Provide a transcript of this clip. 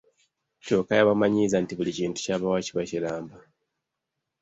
Kyokka yabamanyiiza nti buli kintu ky’abawa kiba kiramba.